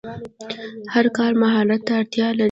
هر کار مهارت ته اړتیا لري.